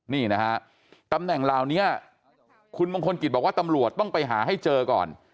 นี่นะฮะตำแหน่งเหล่านี้คุณมงคลกิจบอกว่าตำรวจต้องไปหาให้เจอก่อน